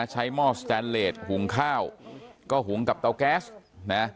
หม้อสแตนเลสหุงข้าวก็หุงกับเตาแก๊สนะ